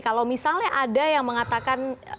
kalau misalnya ada yang mengatakan